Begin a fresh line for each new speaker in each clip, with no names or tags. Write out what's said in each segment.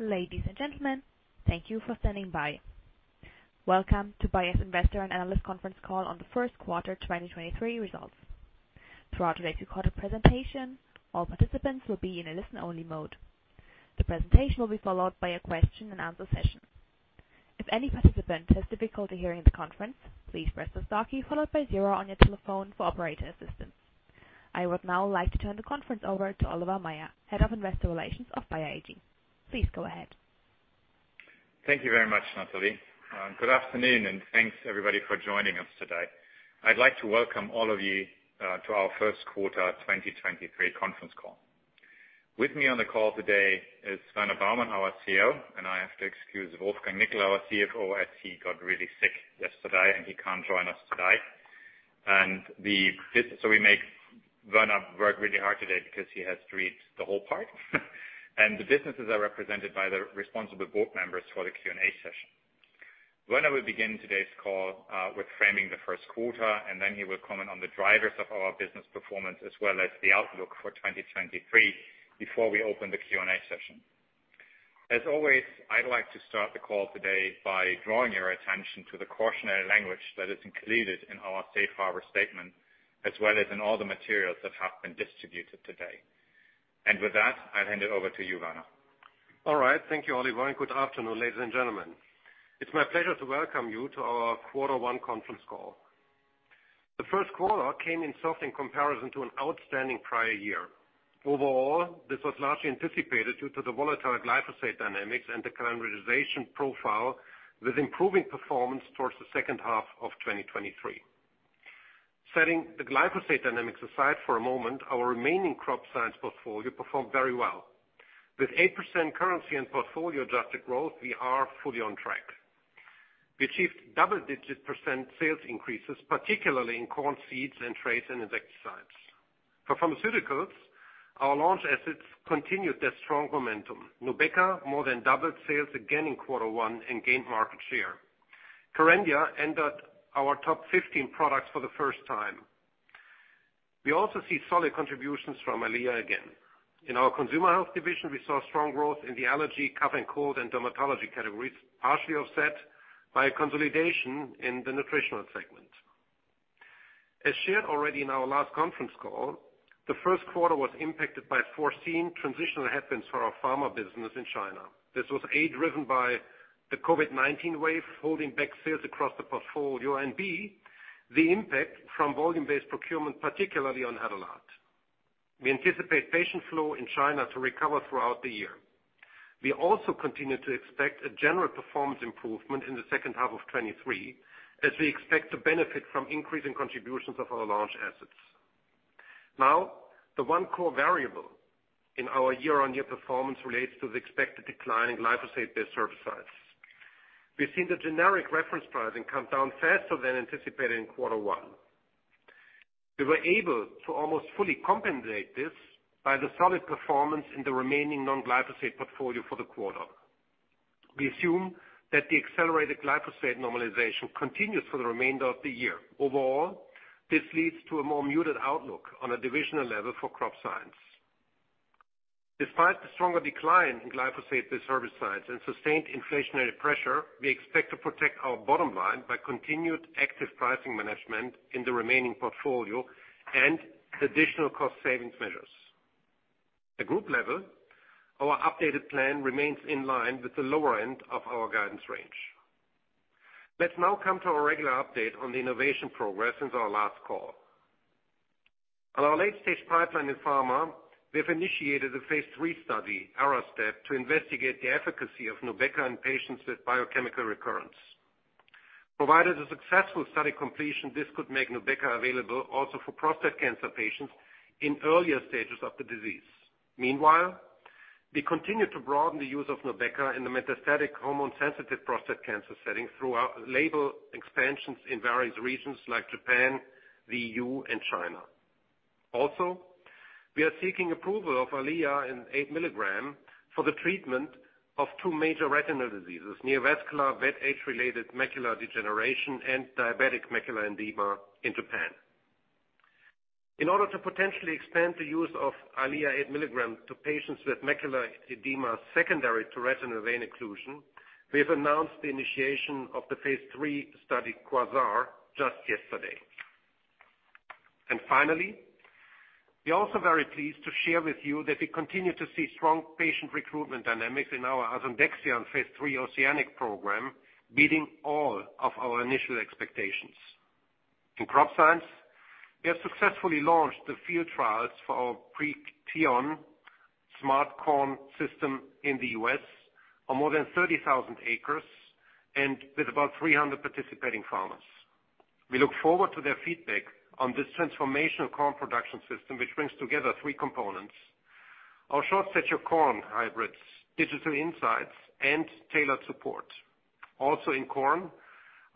Ladies and gentlemen, thank you for standing by. Welcome to Bayer's Investor and Analyst Conference Call on the first quarter 2023 results. Throughout today's recorded presentation, all participants will be in a listen-only mode. The presentation will be followed by a question and answer session. If any participant has difficulty hearing the conference, please press the star key followed by 0 on your telephone for operator assistance. I would now like to turn the conference over to Oliver Maier, Head of Investor Relations of Bayer AG. Please go ahead.
Thank you very much, Natalie. Good afternoon and thanks everybody for joining us today. I'd like to welcome all of you to our first quarter 2023 conference call. With me on the call today is Werner Baumann, our CEO. I have to excuse Wolfgang Nickl, our CFO, as he got really sick yesterday and he can't join us today. We make Werner work really hard today because he has to read the whole part. The businesses are represented by the responsible board members for the Q&A session. Werner will begin today's call with framing the first quarter, and then he will comment on the drivers of our business performance, as well as the outlook for 2023 before we open the Q&A session. As always, I'd like to start the call today by drawing your attention to the cautionary language that is included in our safe harbor statement, as well as in all the materials that have been distributed today. With that, I'll hand it over to you, Werner.
All right. Thank you, Oliver. Good afternoon, ladies and gentlemen. It's my pleasure to welcome you to our quarter one conference call. The first quarter came in soft in comparison to an outstanding prior year. Overall, this was largely anticipated due to the volatile glyphosate dynamics and the current realization profile with improving performance towards the second half of 2023. Setting the glyphosate dynamics aside for a moment, our remaining Crop Science portfolio performed very well. With 8% currency and portfolio-adjusted growth, we are fully on track. We achieved double-digit % sales increases, particularly in corn seeds and traits and insecticides. For pharmaceuticals, our launch assets continued their strong momentum. Nubeqa more than doubled sales again in quarter one and gained market share. Kerendia entered our top 15 products for the first time. We also see solid contributions from Eylea again. In our consumer health division, we saw strong growth in the allergy, cough and cold, and dermatology categories, partially offset by a consolidation in the nutritional segment. As shared already in our last conference call, the first quarter was impacted by foreseen transitional happens for our pharma business in China. This was A, driven by the COVID-19 wave, holding back sales across the portfolio. B, the impact from volume-based procurement, particularly on Avodart. We anticipate patient flow in China to recover throughout the year. We also continue to expect a general performance improvement in the second half of 2023, as we expect to benefit from increasing contributions of our launch assets. Now, the one core variable in our year-on-year performance relates to the expected decline in glyphosate-based service sites. We've seen the generic reference pricing come down faster than anticipated in quarter one. We were able to almost fully compensate this by the solid performance in the remaining non-glyphosate portfolio for the quarter. We assume that the accelerated glyphosate normalization continues for the remainder of the year. Overall, this leads to a more muted outlook on a divisional level for Crop Science. Despite the stronger decline in glyphosate-based service sites and sustained inflationary pressure, we expect to protect our bottom line by continued active pricing management in the remaining portfolio and additional cost savings measures. At group level, our updated plan remains in line with the lower end of our guidance range. Let's now come to our regular update on the innovation progress since our last call. On our late-stage pipeline in Pharma, we have initiated a phase III study, ARASTEP, to investigate the efficacy of Nubeqa in patients with biochemical recurrence. Provided a successful study completion, this could make Nubeqa available also for prostate cancer patients in earlier stages of the disease. Meanwhile, we continue to broaden the use of Nubeqa in the metastatic hormone-sensitive prostate cancer setting throughout label expansions in various regions like Japan, the E.U., and China. We are seeking approval of Eylea in 8 mg for the treatment of two major retinal diseases, neovascular wet age-related macular degeneration and diabetic macular edema in Japan. In order to potentially expand the use of Eylea 8 mg to patients with macular edema secondary to retinal vein occlusion, we have announced the initiation of the phase III study, QUASAR, just yesterday. Finally, we're also very pleased to share with you that we continue to see strong patient recruitment dynamics in our Asundexian phase III OCEANIC program, beating all of our initial expectations. In crop science, we have successfully launched the field trials for our Preceon smart corn system in the U.S. on more than 30,000 acres and with about 300 participating farmers. We look forward to their feedback on this transformational corn production system, which brings together three components: our short set your corn hybrids, digital insights, and tailored support. Also, in corn,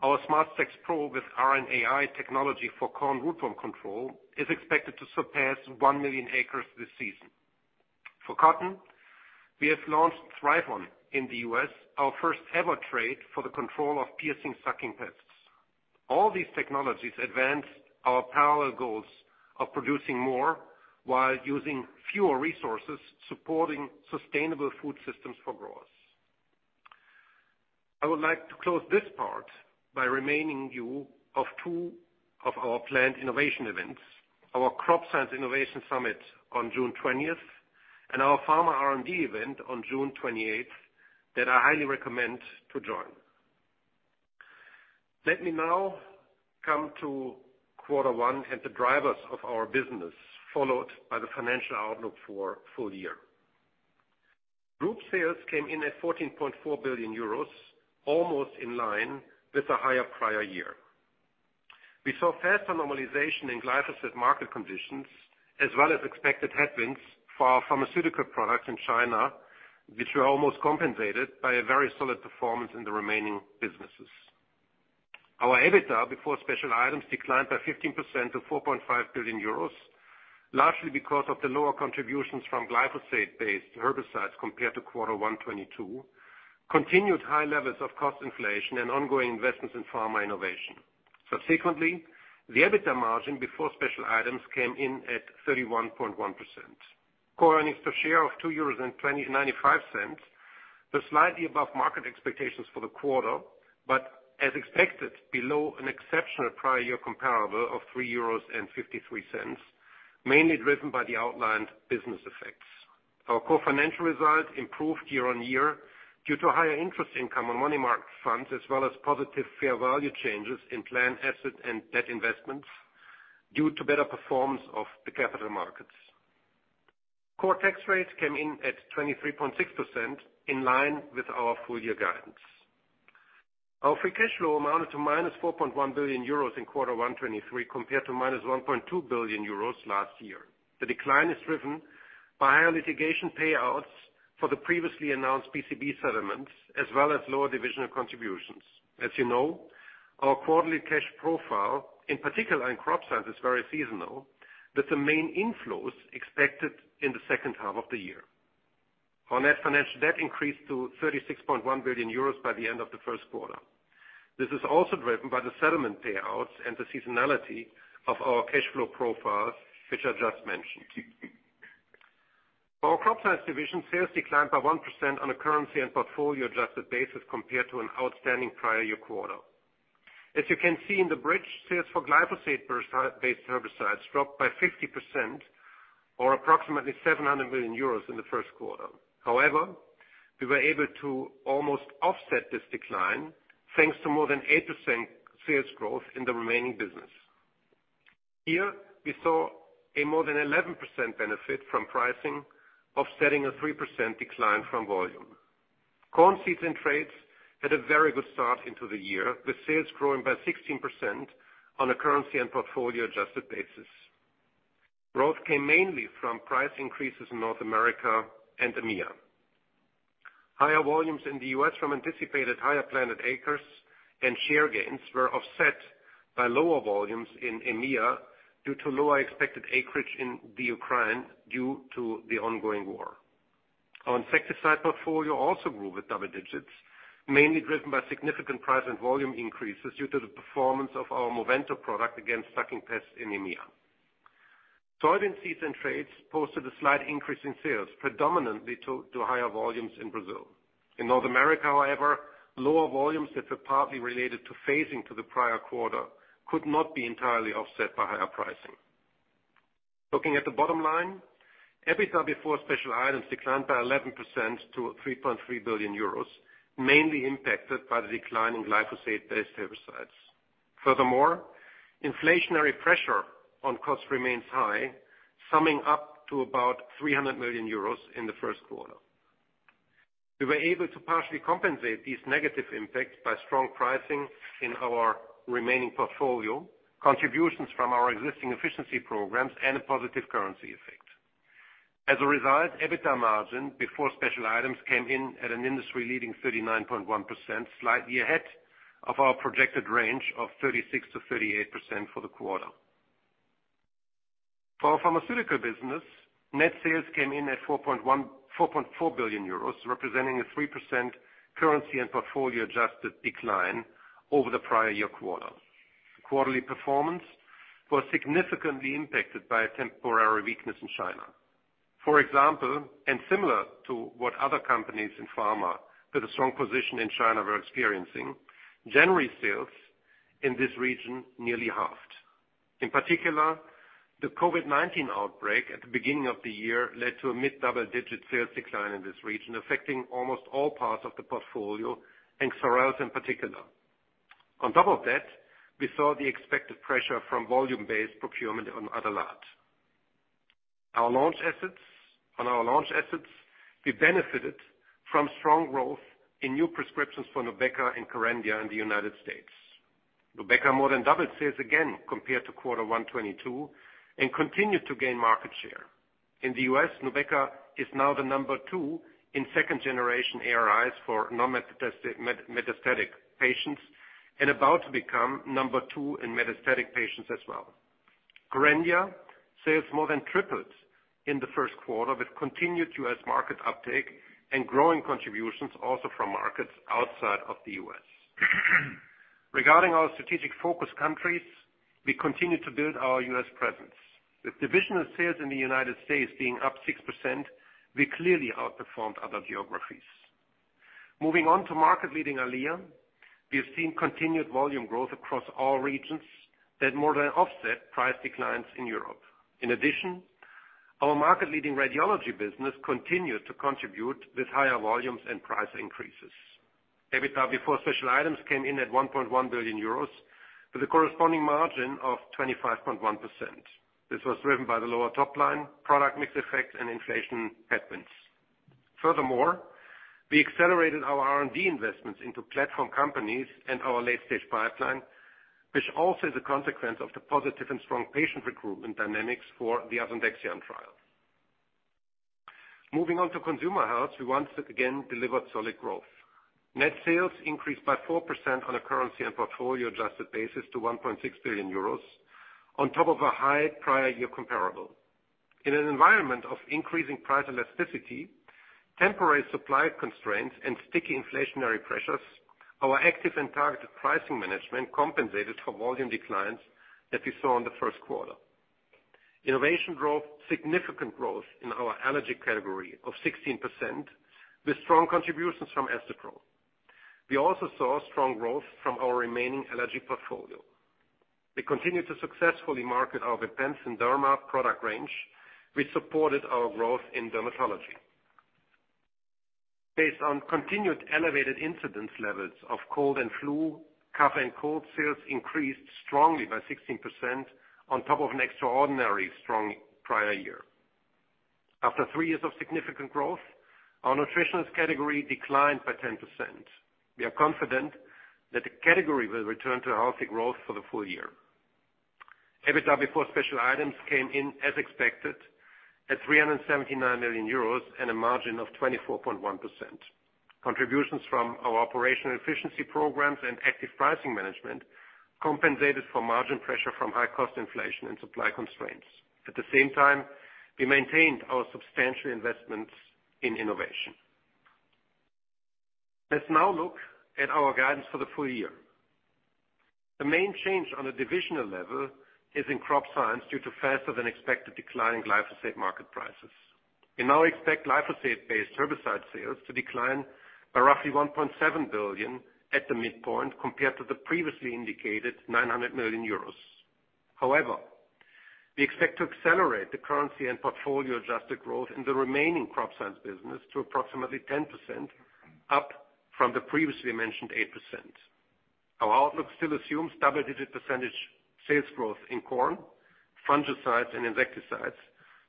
our SmartStax PRO with RNAi technology for corn rootworm control is expected to surpass 1 million acres this season. For cotton, we have launched ThryvOn in the U.S., our first-ever trait for the control of piercing sucking pests. All these technologies advanced our parallel goals of producing more while using fewer resources, supporting sustainable food systems for growers. I would like to close this part by reminding you of two of our planned innovation events, our Crop Science Innovation Summit on June 20th, and our Pharma R&D Event on June 28th that I highly recommend to join. Let me now come to quarter one and the drivers of our business, followed by the financial outlook for full year. Group sales came in at 14.4 billion euros, almost in line with the higher prior year. We saw faster normalization in glyphosate market conditions, as well as expected headwinds for our pharmaceutical products in China, which were almost compensated by a very solid performance in the remaining businesses. Our EBITDA before special items declined by 15% to 4.5 billion euros, largely because of the lower contributions from glyphosate-based herbicides compared to Q1 2022, continued high levels of cost inflation, and ongoing investments in pharma innovation. Subsequently, the EBITDA margin before special items came in at 31.1%. Core earnings per share of 2.95 euros were slightly above market expectations for the quarter, as expected, below an exceptional prior year comparable of 3.53 euros, mainly driven by the outlined business effects. Our core financial results improved year-on-year due to higher interest income on money market funds, as well as positive fair value changes in planned asset and debt investments due to better performance of the capital markets. Core tax rates came in at 23.6%, in line with our full year guidance. Our free cash flow amounted to minus 4.1 billion euros in quarter one 2023 compared to minus 1.2 billion euros last year. The decline is driven by higher litigation payouts for the previously announced PCB settlements, as well as lower divisional contributions. You know, our quarterly cash profile, in particular in Crop Science, is very seasonal, with the main inflows expected in the second half of the year. Our net financial debt increased to 36.1 billion euros by the end of the first quarter. This is also driven by the settlement payouts and the seasonality of our cash flow profiles, which I just mentioned. For our Crop Science division, sales declined by 1% on a currency and portfolio-adjusted basis compared to an outstanding prior year quarter. As you can see in the bridge, sales for glyphosate-based herbicides dropped by 50%, or approximately 700 million euros in the first quarter. However, we were able to almost offset this decline, thanks to more than 8% sales growth in the remaining business. Here, we saw a more than 11% benefit from pricing, offsetting a 3% decline from volume. Corn seeds and trades had a very good start into the year, with sales growing by 16% on a currency and portfolio-adjusted basis. Growth came mainly from price increases in North America and EMEA. Higher volumes in the U.S. from anticipated higher planted acres and share gains were offset by lower volumes in EMEA due to lower expected acreage in Ukraine due to the ongoing war. Our insecticide portfolio also grew with double digits, mainly driven by significant price and volume increases due to the performance of our Movento product against sucking pests in EMEA. Soybean seeds and trades posted a slight increase in sales, predominantly to higher volumes in Brazil. In North America, however, lower volumes that were partly related to phasing to the prior quarter could not be entirely offset by higher pricing. Looking at the bottom line, EBITDA before special items declined by 11% to 3.3 billion euros, mainly impacted by the decline in glyphosate-based herbicides. Furthermore, inflationary pressure on costs remains high, summing up to about 300 million euros in the first quarter. We were able to partially compensate these negative impacts by strong pricing in our remaining portfolio, contributions from our existing efficiency programs, and a positive currency effect. EBITDA margin before special items came in at an industry-leading 39.1%, slightly ahead of our projected range of 36%-38% for the quarter. Net sales came in at 4.1 billion-4.4 billion euros, representing a 3% currency and portfolio-adjusted decline over the prior year quarter. Quarterly performance was significantly impacted by a temporary weakness in China. Similar to what other companies in pharma with a strong position in China were experiencing, January sales in this region nearly halved. In particular, the COVID-19 outbreak at the beginning of the year led to a mid-double-digit sales decline in this region, affecting almost all parts of the portfolio, and Xarelto in particular. On top of that, we saw the expected pressure from volume-based procurement on Adalat. On our launch assets, we benefited from strong growth in new prescriptions for Nubeqa and Kerendia in the United States. Nubeqa more than doubled sales again compared to quarter 1 2022 and continued to gain market share. In the U.S., Nubeqa is now the number 2 in second generation ARIs for non-metastatic, metastatic patients and about to become number 2 in metastatic patients as well. Kerendia sales more than tripled in the first quarter with continued U.S. market uptake and growing contributions also from markets outside of the U.S. Regarding our strategic focus countries, we continue to build our U.S. presence. With divisional sales in the United States being up 6%, we clearly outperformed other geographies. Moving on to market leading Eylea, we have seen continued volume growth across all regions that more than offset price declines in Europe. In addition, our market leading radiology business continued to contribute with higher volumes and price increases. EBITDA before special items came in at 1.1 billion euros, with a corresponding margin of 25.1%. This was driven by the lower top line, product mix effect and inflation headwinds. Furthermore, we accelerated our R&D investments into platform companies and our late-stage pipeline, which also is a consequence of the positive and strong patient recruitment dynamics for the Asundexian trial. Moving on to consumer health, we once again delivered solid growth. Net sales increased by 4% on a currency and portfolio adjusted basis to 1.6 billion euros on top of a high prior year comparable. In an environment of increasing price elasticity, temporary supply constraints, and sticky inflationary pressures, our active and targeted pricing management compensated for volume declines that we saw in the first quarter. Innovation drove significant growth in our allergy category of 16%, with strong contributions from Astepro. We also saw strong growth from our remaining allergy portfolio. We continued to successfully market our Bepanthen Derma product range, which supported our growth in dermatology. Based on continued elevated incidence levels of cold and flu, cough and cold sales increased strongly by 16% on top of an extraordinary strong prior year. After 3 years of significant growth, our nutritionals category declined by 10%. We are confident that the category will return to healthy growth for the full year. EBITDA before special items came in as expected at 379 million euros and a margin of 24.1%. Contributions from our operational efficiency programs and active pricing management compensated for margin pressure from high cost inflation and supply constraints. At the same time, we maintained our substantial investments in innovation. Let's now look at our guidance for the full year. The main change on a divisional level is in Crop Science due to faster than expected decline in glyphosate market prices. We now expect glyphosate-based herbicide sales to decline by roughly 1.7 billion at the midpoint compared to the previously indicated 900 million euros. However, we expect to accelerate the currency and portfolio adjusted growth in the remaining Crop Science business to approximately 10% up from the previously mentioned 8%. Our outlook still assumes double-digit percentage sales growth in corn, fungicides, and insecticides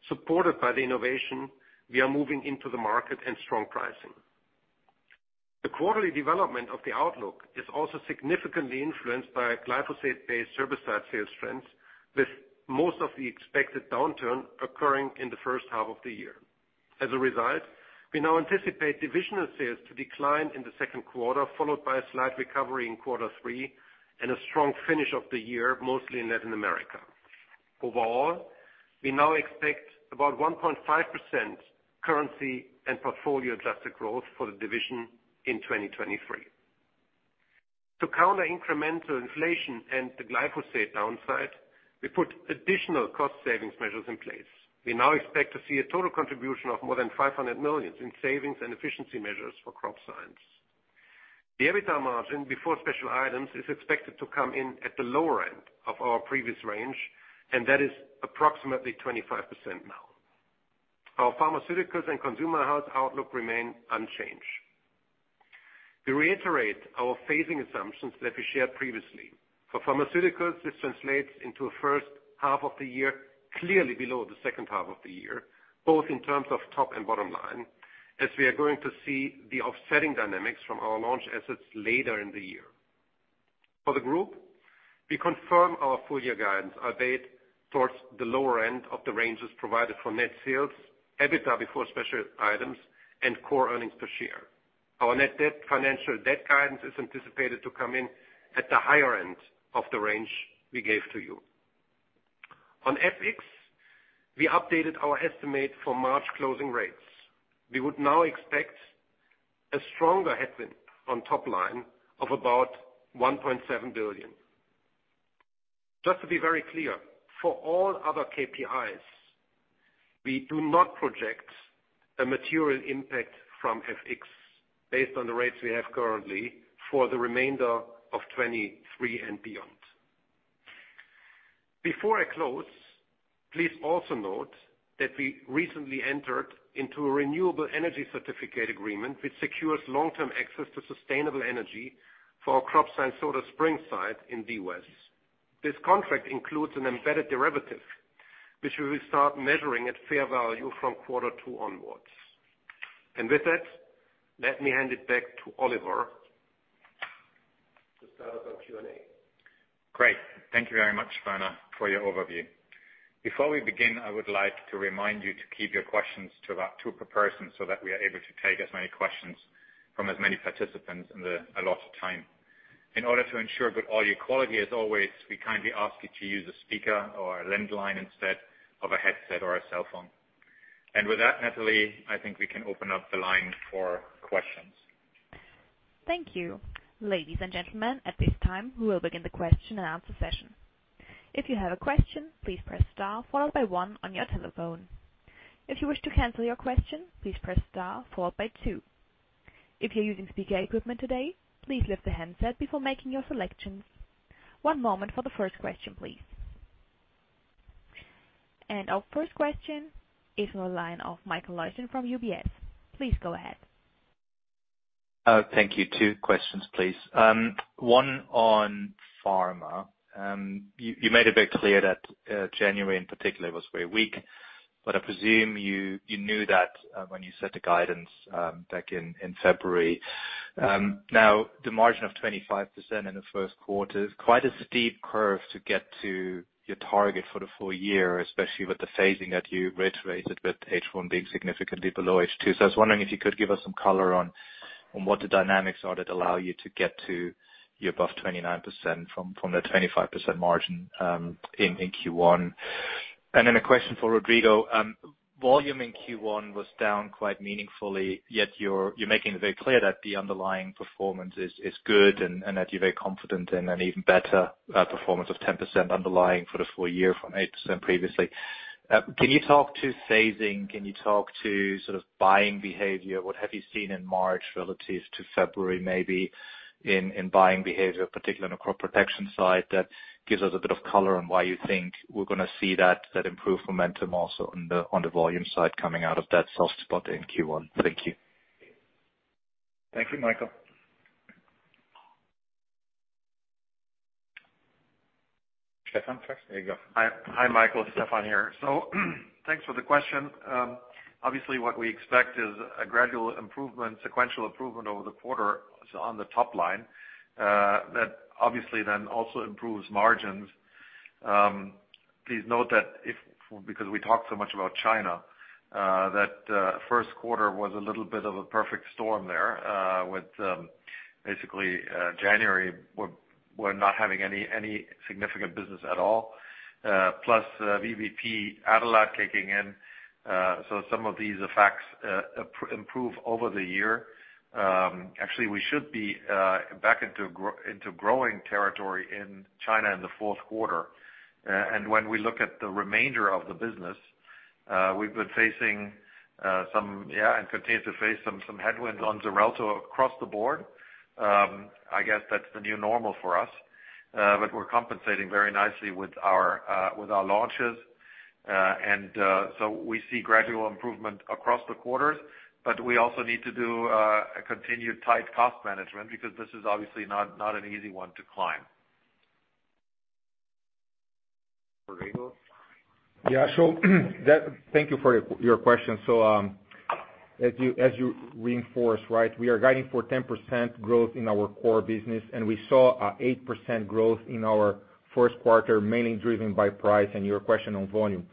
supported by the innovation we are moving into the market and strong pricing. The quarterly development of the outlook is also significantly influenced by glyphosate-based herbicide sales trends, with most of the expected downturn occurring in the first half of the year. As a result, we now anticipate divisional sales to decline in the second quarter, followed by a slight recovery in quarter three and a strong finish of the year, mostly in Latin America. Overall, we now expect about 1.5% currency and portfolio adjusted growth for the division in 2023. To counter incremental inflation and the glyphosate downside, we put additional cost savings measures in place. We now expect to see a total contribution of more than 500 million in savings and efficiency measures for Crop Science. The EBITDA margin before special items is expected to come in at the lower end of our previous range, and that is approximately 25% now. Our pharmaceuticals and consumer health outlook remain unchanged. We reiterate our phasing assumptions that we shared previously. For pharmaceuticals, this translates into a first half of the year, clearly below the second half of the year, both in terms of top and bottom line, as we are going to see the offsetting dynamics from our launch assets later in the year. For the group, we confirm our full year guidance updated towards the lower end of the ranges provided for net sales, EBITDA before special items and core earnings per share. Our net debt financial debt guidance is anticipated to come in at the higher end of the range we gave to you. On FX, we updated our estimate for March closing rates. We would now expect a stronger headwind on top line of about 1.7 billion. Just to be very clear, for all other KPIs, we do not project a material impact from FX based on the rates we have currently for the remainder of 2023 and beyond. Before I close, please also note that we recently entered into a renewable energy certificate agreement which secures long-term access to sustainable energy for our Crop Science Soda Springs site in the U.S. This contract includes an embedded derivative, which we will start measuring at fair value from quarter two onwards. With that, let me hand it back to Oliver to start off our Q&A.
Great. Thank you very much, Werner, for your overview. Before we begin, I would like to remind you to keep your questions to about two per person so that we are able to take as many questions from as many participants in the allotted time. In order to ensure good audio quality as always, we kindly ask you to use a speaker or a landline instead of a headset or a cell phone. With that, Natalie, I think we can open up the line for questions.
Thank you. Ladies and gentlemen, at this time, we will begin the question and answer session. If you have a question, please press star followed by one on your telephone. If you wish to cancel your question, please press star followed by two. If you're using speaker equipment today, please lift the handset before making your selections. One moment for the first question, please. Our first question is on the line of Michael Leuchten from UBS. Please go ahead.
Thank you. Two questions, please. One on pharma. You made it very clear that January in particular was very weak, but I presume you knew that when you set the guidance back in February. Now, the margin of 25% in the first quarter is quite a steep curve to get to your target for the full year, especially with the phasing that you reiterated with H1 being significantly below H2. I was wondering if you could give us some color on what the dynamics are that allow you to get to your above 29% from the 25% margin in Q1. A question for Rodrigo. Volume in Q1 was down quite meaningfully, yet you're making it very clear that the underlying performance is good and that you're very confident in an even better performance of 10% underlying for the full year from 8% previously. Can you talk to phasing? Can you talk to sort of buying behavior? What have you seen in March relatives to February, maybe in buying behavior, particularly in the crop protection side, that gives us a bit of color on why you think we're gonna see that improved momentum also on the volume side coming out of that soft spot in Q1? Thank you.
Thank you, Michael. Stefan first. There you go.
Hi. Hi, Michael. Stefan here. Thanks for the question. Obviously, what we expect is a gradual improvement, sequential improvement over the quarter on the top line, that obviously then also improves margins. Please note that if because we talked so much about China, that first quarter was a little bit of a perfect storm there, with basically January, we're not having any significant business at all, plus VBP Adalat kicking in. Some of these effects improve over the year. Actually, we should be back into growing territory in China in the fourth quarter. When we look at the remainder of the business, we've been facing some, yeah, and continue to face some headwinds on Xarelto across the board. I guess that's the new normal for us. We're compensating very nicely with our with our launches. We see gradual improvement across the quarters, but we also need to do a continued tight cost management because this is obviously not an easy one to climb.
Rodrigo?
Yeah. Thank you for your question. As you reinforce, right, we are guiding for 10% growth in our core business, and we saw a 8% growth in our first quarter, mainly driven by price and your question on volume.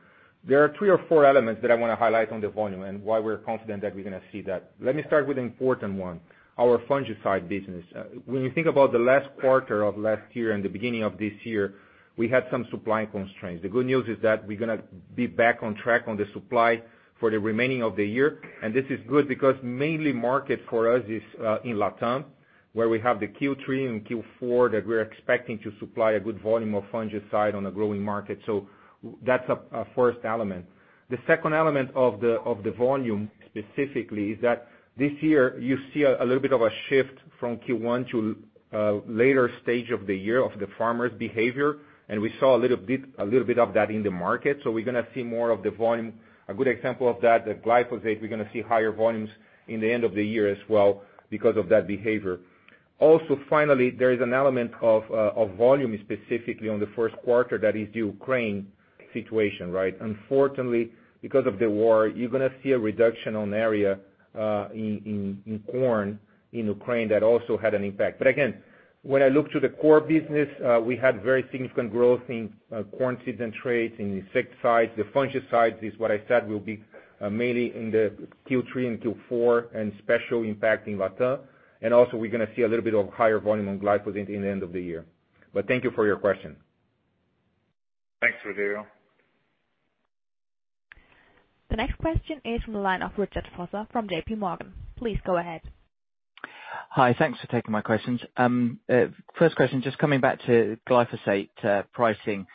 There are three or four elements that I wanna highlight on the volume and why we're confident that we're gonna see that. Let me start with the important one, our fungicide business. When you think about the last quarter of last year and the beginning of this year, we had some supply constraints. The good news is that we're gonna be back on track on the supply for the remaining of the year. This is good because mainly market for us is in Latam, where we have the Q3 and Q4 that we're expecting to supply a good volume of fungicide on a growing market. That's a first element. The second element of the volume specifically is that this year you see a little bit of a shift from Q1 to a later stage of the year of the farmers' behavior, and we saw a little bit of that in the market. We're gonna see more of the volume. A good example of that, the glyphosate, we're gonna see higher volumes in the end of the year as well because of that behavior. Finally, there is an element of volume specifically on the first quarter that is the Ukraine situation, right? Unfortunately, because of the war, you're gonna see a reduction on area in corn in Ukraine that also had an impact. Again, when I look to the core business, we had very significant growth in corn seeds and trades, in insecticides. The fungicides is what I said will be mainly in the Q3 and Q4, and special impact in Latam. Also, we're gonna see a little bit of higher volume on glyphosate in the end of the year. Thank you for your question.
Thanks, Rodrigo.
The next question is from the line of Richard Vosser from JPMorgan. Please go ahead.
Hi. Thanks for taking my questions. First question, just coming back to glyphosate pricing.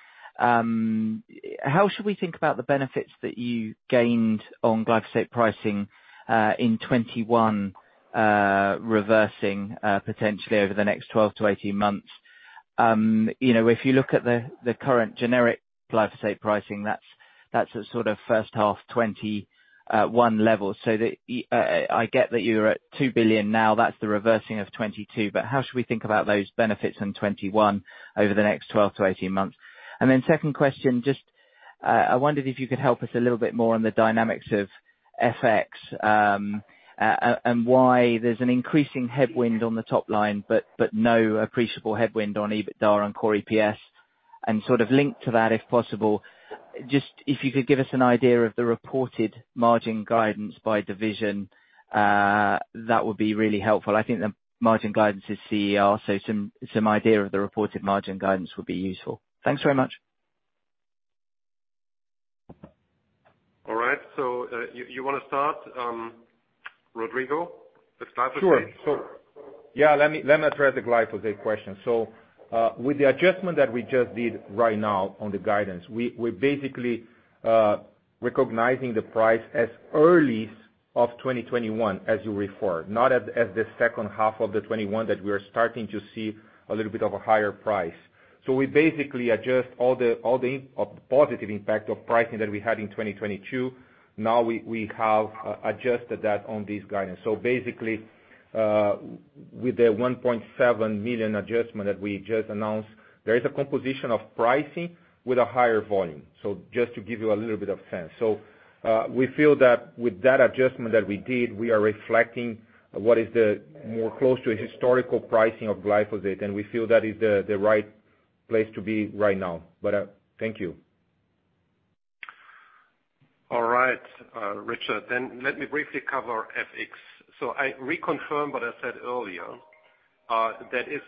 How should we think about the benefits that you gained on glyphosate pricing in 2021 reversing potentially over the next 12 to 18 months? You know, if you look at the current generic glyphosate pricing, that's a sort of first half 2021 level. I get that you're at 2 billion now. That's the reversing of 2022, how should we think about those benefits in 2021 over the next 12 to 18 months? Second question, just I wondered if you could help us a little bit more on the dynamics of FX and why there's an increasing headwind on the top line, but no appreciable headwind on EBITDA and core EPS. Sort of linked to that, if possible, just if you could give us an idea of the reported margin guidance by division, that would be really helpful. I think the margin guidance is CER, some idea of the reported margin guidance would be useful. Thanks very much.
All right. You wanna start, Rodrigo, with glyphosate?
Sure. Yeah, let me address the glyphosate question. With the adjustment that we just did right now on the guidance, we're basically recognizing the price as early of 2021 as you refer, not at, as the second half of 2021 that we are starting to see a little bit of a higher price. We basically adjust all the positive impact of pricing that we had in 2022. Now we have adjusted that on this guidance. Basically, with the 1.7 million adjustment that we just announced, there is a composition of pricing with a higher volume. Just to give you a little bit of sense. We feel that with that adjustment that we did, we are reflecting what is the more close to a historical pricing of glyphosate, and we feel that is the right place to be right now. Thank you.
All right, Richard. Let me briefly cover FX. I reconfirm what I said earlier, that is,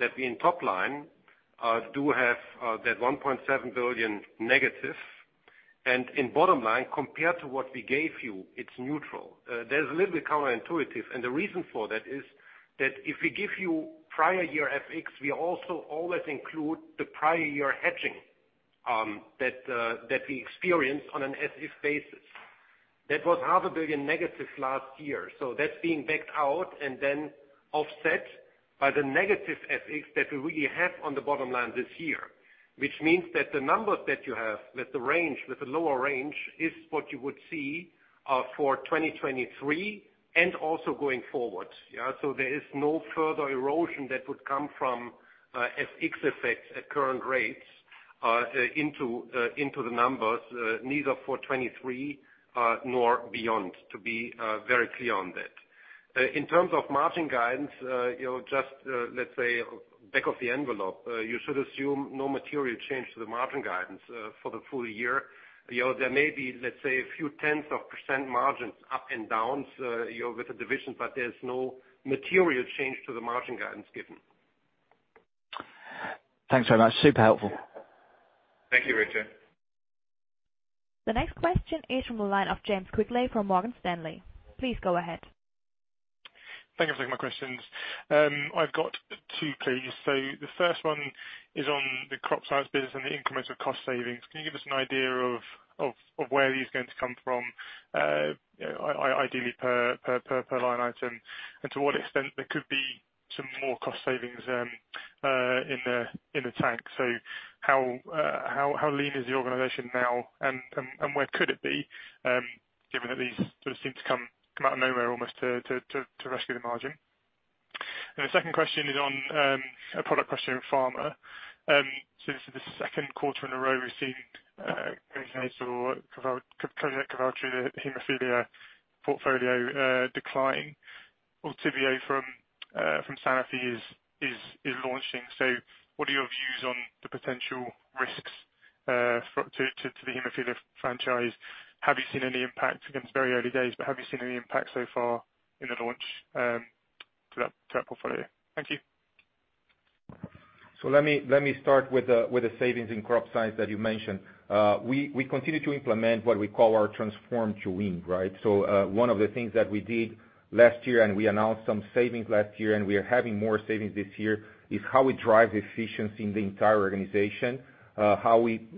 that in top line, do have, that 1.7 billion negative. And in bottom line, compared to what we gave you, it's neutral. That's a little bit counterintuitive, and the reason for that is that if we give you prior year FX, we also always include the prior year hedging, that we experience on an as-if basis. That was -500 million last year. That's being backed out and then offset by the negative FX that we really have on the bottom line this year, which means that the numbers that you have with the range, with the lower range, is what you would see, for 2023 and also going forward. There is no further erosion that would come from FX effects at current rates into the numbers, neither for 23 nor beyond, to be very clear on that. In terms of margin guidance, you know, just, let's say, back of the envelope, you should assume no material change to the margin guidance for the full year. You know, there may be, let's say, a few tenths of % margins up and down, you know, with the divisions, but there's no material change to the margin guidance given.
Thanks very much. Super helpful.
Thank you, Richard.
The next question is from the line of James Quigley from Morgan Stanley. Please go ahead.
Thank you for taking my questions. I've got two, please. The first one is on the Crop Science business and the incremental cost savings. Can you give us an idea of where these are going to come from, you know, ideally per line item? To what extent there could be some more cost savings in the tank. How lean is the organization now and where could it be, given that these sort of seem to come out of nowhere almost to rescue the margin? The second question is on a product question in pharma. This is the second quarter in a row we've seen Kogenate or Kovaltry hemophilia portfolio decline. Altuviiio from Sanofi is launching. What are your views on the potential risks for the hemophilia franchise? Have you seen any impact? I think it's very early days, but have you seen any impact so far in the launch to that portfolio? Thank you.
Let me start with the savings in Crop Science that you mentioned. We continue to implement what we call our Transform to Win, right? One of the things that we did last year, and we announced some savings last year, and we are having more savings this year, is how we drive efficiency in the entire organization, how we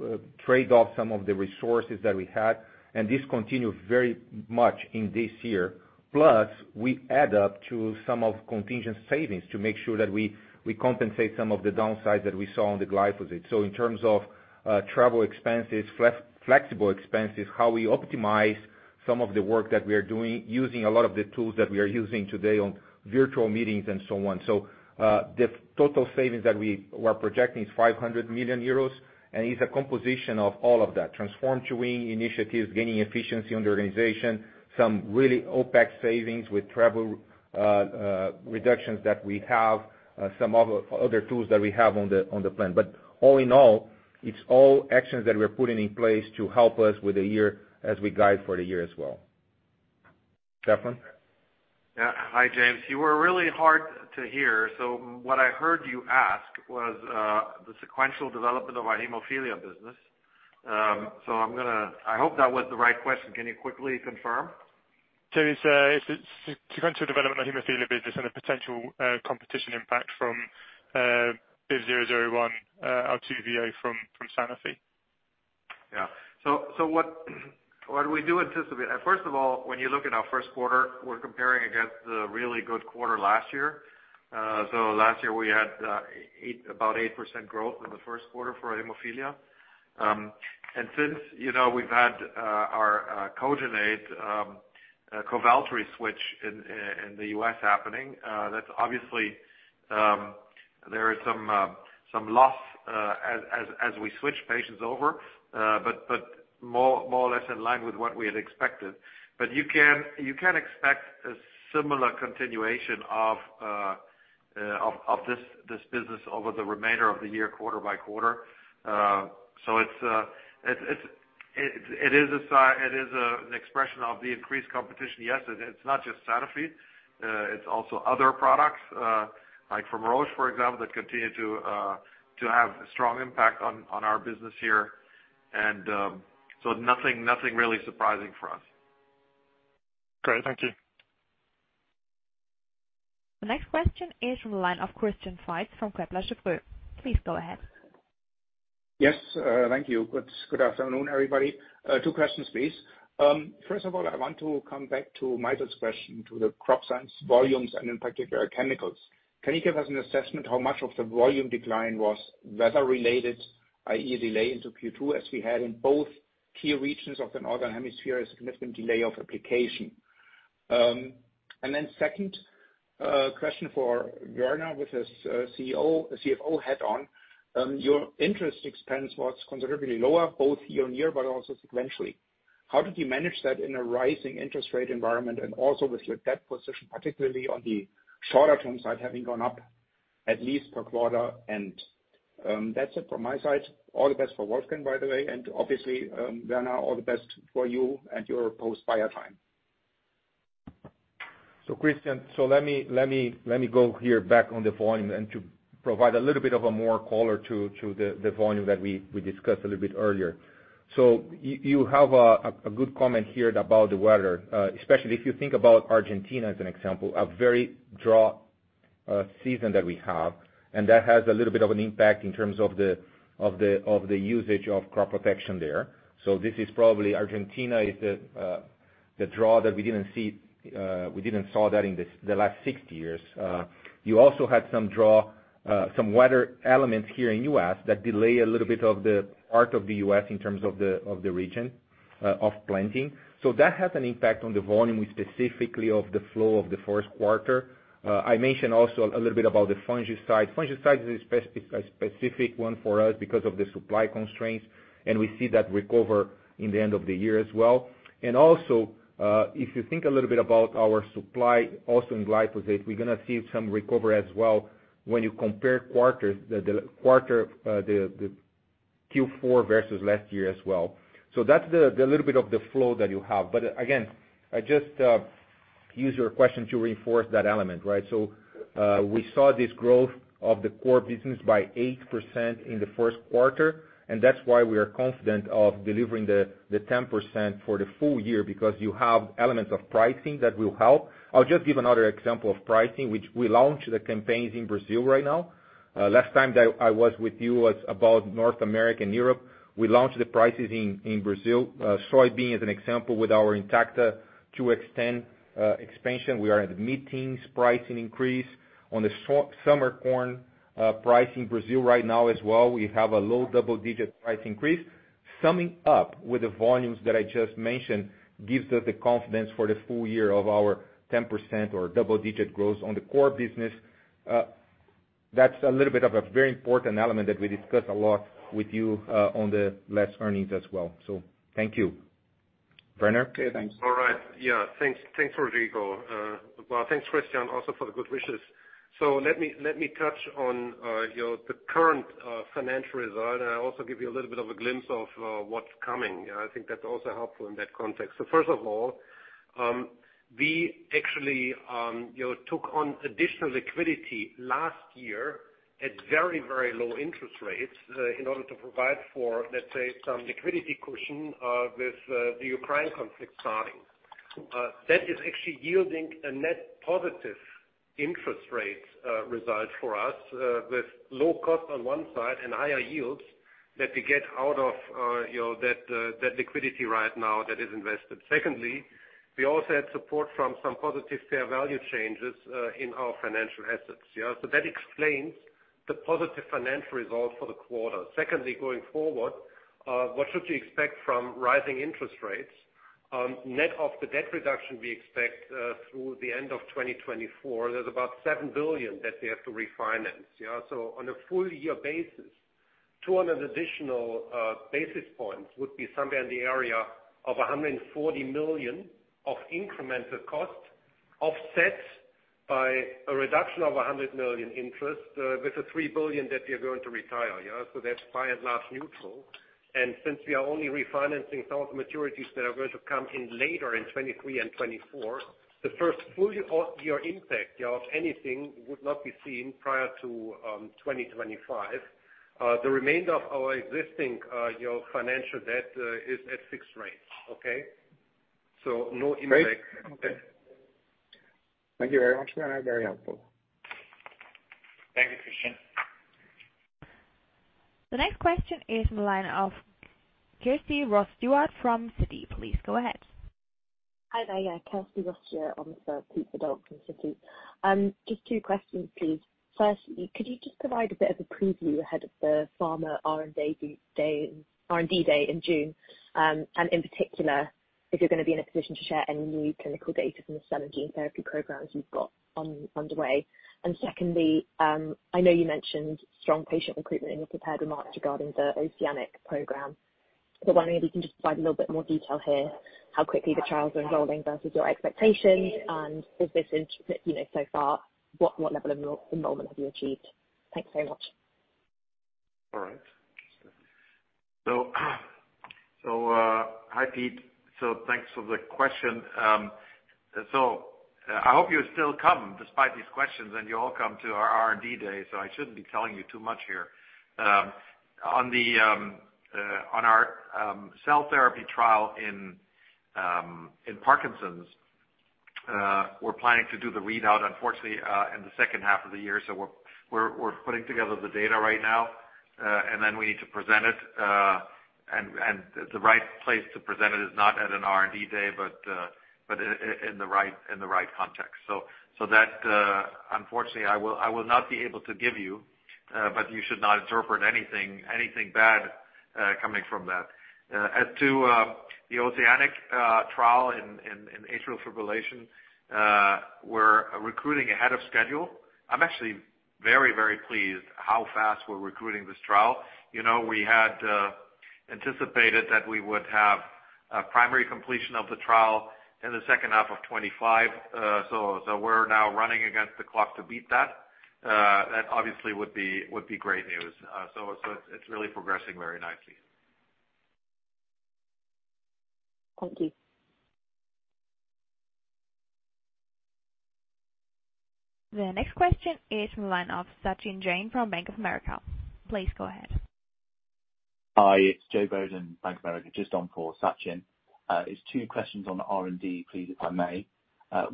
trade off some of the resources that we had. This continued very much in this year. Plus, we add up to some of contingent savings to make sure that we compensate some of the downsides that we saw on the glyphosate. In terms of travel expenses, flexible expenses, how we optimize some of the work that we are doing using a lot of the tools that we are using today on virtual meetings and so on. The total savings that we were projecting is 500 million euros and is a composition of all of that. Transform to Win initiatives, gaining efficiency on the organization, some really OpEx savings with travel reductions that we have, some other tools that we have on the plan. All in all, it's all actions that we're putting in place to help us with the year as we guide for the year as well. Stefan?
Yeah. Hi, James. You were really hard to hear. What I heard you ask was the sequential development of our hemophilia business. I hope that was the right question. Can you quickly confirm?
It's the sequential development of the hemophilia business and the potential competition impact from BIVV001, Altuviiio from Sanofi.
What we do anticipate. First of all, when you look at our first quarter, we're comparing against the really good quarter last year. Last year we had about 8% growth in the first quarter for hemophilia. Since, you know, we've had our Kogenate Kovaltry switch in the U.S. happening, that's obviously there is some loss as we switch patients over, but more or less in line with what we had expected. You can expect a similar continuation of this business over the remainder of the year, quarter by quarter. It is an expression of the increased competition, yes. It's not just Sanofi. It's also other products, like from Roche, for example, that continue to have a strong impact on our business here. Nothing really surprising for us.
Great. Thank you.
The next question is from the line of Christian Faitz from Kepler Cheuvreux. Please go ahead.
Yes, thank you. Good afternoon, everybody. Two questions, please. First of all, I want to come back to Michael's question to the Crop Science volumes and in particular chemicals. Can you give us an assessment how much of the volume decline was weather related, i.e., delay into Q2 as we had in both key regions of the Northern Hemisphere, a significant delay of application? Then second, question for Werner, with his CFO hat on, your interest expense was considerably lower both year-on-year but also sequentially. How did you manage that in a rising interest rate environment and also with your debt position, particularly on the shorter term side, having gone up at least per quarter? That's it from my side. All the best for Wolfgang, by the way. Obviously, Werner, all the best for you and your post-Bayer time.
Christian, let me go here back on the volume and to provide a little bit of a more color to the volume that we discussed a little bit earlier. You have a good comment here about the weather, especially if you think about Argentina as an example, a very drought season that we have. That has a little bit of an impact in terms of the usage of crop protection there. This is probably Argentina is the drought that we didn't see, we didn't saw that in the last 60 years. You also had some drought, some weather elements here in U.S. that delay a little bit of the part of the U.S. in terms of the region of planting. That has an impact on the volume specifically of the flow of the first quarter. I mentioned also a little bit about the fungicide. Fungicide is a specific one for us because of the supply constraints, and we see that recover in the end of the year as well. Also, if you think a little bit about our supply also in glyphosate, we're gonna see some recovery as well when you compare quarters, the quarter, the Q4 versus last year as well. That's the little bit of the flow that you have. Again, I just use your question to reinforce that element, right? We saw this growth of the core business by 8% in the first quarter, and that's why we are confident of delivering the 10% for the full year, because you have elements of pricing that will help. I'll just give another example of pricing, which we launched the campaigns in Brazil right now. Last time that I was with you was about North America and Europe. We launched the prices in Brazil. Soybean as an example with our Intacta 2 Xtend expansion. We are at mid-teens pricing increase. On the summer corn price in Brazil right now as well, we have a low double-digit price increase. Summing up with the volumes that I just mentioned gives us the confidence for the full year of our 10% or double-digit growth on the core business. That's a little bit of a very important element that we discussed a lot with you on the last earnings as well. Thank you. Werner?
Okay, thanks.
All right. Yeah. Thanks, thanks, Rodrigo. Well, thanks, Christian, also for the good wishes. Let me touch on, you know, the current financial result, and I'll also give you a little bit of a glimpse of what's coming. I think that's also helpful in that context. First of all, we actually, you know, took on additional liquidity last year at very, very low interest rates in order to provide for, let's say, some liquidity cushion with the Ukraine conflict starting. That is actually yielding a net positive interest rate result for us with low cost on one side and higher yields that we get out of, you know, that liquidity right now that is invested. Secondly, we also had support from some positive fair value changes in our financial assets, yeah? That explains the positive financial result for the quarter. Secondly, going forward, what should you expect from rising interest rates? Net of the debt reduction we expect through the end of 2024, there's about 7 billion that we have to refinance, yeah? On a full year basis, 200 additional basis points would be somewhere in the area of 140 million of incremental cost offset by a reduction of 100 million interest with the 3 billion that we are going to retire, yeah? That's by and large neutral. Since we are only refinancing some of the maturities that are going to come in later in 2023 and 2024, the first full year impact of anything would not be seen prior to 2025. The remainder of our existing, you know, financial debt is at fixed rates. Okay? No impact.
Great. Okay. Thank you very much, Werner. Very helpful.
Thank you, Christian.
The next question is from the line of Kirsty Ross- Stewart from Citi. Please go ahead.
Hi there. Yeah, Kirsty Ross here.
Mm-hmm.
On for Peter Verdult of Citi. Just two questions, please. First, could you just provide a bit of a preview ahead of the Pharma R&D Day in June, and in particular. If you're gonna be in a position to share any new clinical data from the cell and gene therapy programs you've got underway. Secondly, I know you mentioned strong patient recruitment in your prepared remarks regarding the OCEANIC program. Wondering if you can just provide a little bit more detail here, how quickly the trials are enrolling versus your expectations. If this is, you know, so far, what level of enrollment have you achieved? Thanks very much.
All right. Hi, Pete. Thanks for the question. I hope you still come despite these questions, and you all come to our R&D day, so I shouldn't be telling you too much here. On our cell therapy trial in Parkinson's, we're planning to do the readout, unfortunately, in the second half of the year. We're putting together the data right now, and then we need to present it, and the right place to present it is not at an R&D day, but in the right context. That, unfortunately, I will not be able to give you, but you should not interpret anything bad coming from that. As to the OCEANIC trial in atrial fibrillation, we're recruiting ahead of schedule. I'm actually very pleased how fast we're recruiting this trial. You know, we had anticipated that we would have a primary completion of the trial in the second half of 2025. We're now running against the clock to beat that. That obviously would be great news. It's really progressing very nicely.
Thank you.
The next question is from the line of Sachin Jain from Bank of America. Please go ahead.
Hi, it's Joe Bowden, Bank of America, just on for Sachin Jain. It's two questions on R&D, please, if I may.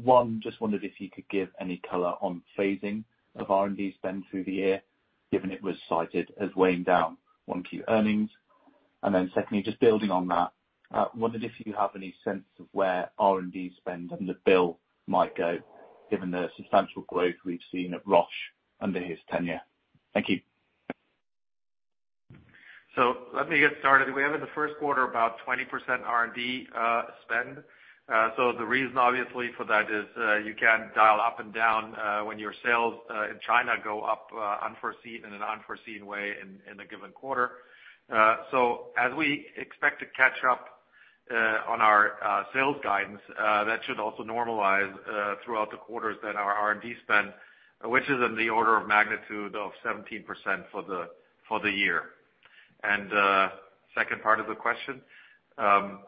One, just wondered if you could give any color on phasing of R&D spend through the year, given it was cited as weighing down OneQ earnings. Secondly, just building on that, wondered if you have any sense of where R&D spend and the bill might go, given the substantial growth we've seen at Roche under his tenure. Thank you.
Let me get started. We have in the first quarter about 20% R&D spend. The reason obviously for that is, you can dial up and down, when your sales in China go up, unforeseen, in an unforeseen way in a given quarter. As we expect to catch up on our sales guidance, that should also normalize throughout the quarters that our R&D spend, which is in the order of magnitude of 17% for the year. Second part of the question. In